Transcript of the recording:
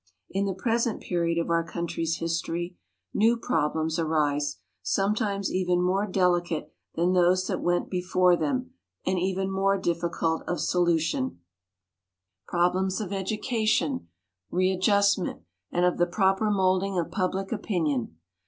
In the present period of our country's his tory new problems arise, sometimes even more delicate than those that went before them and even more difficult of solution 85 86 WOMEN OF ACHIEVEMENT problems of education, readjustment, and of the proper moulding of public opinion.